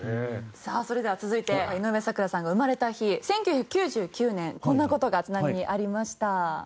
さあそれでは続いて井上咲楽さんが生まれた日１９９９年こんな事がちなみにありました。